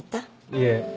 いえ。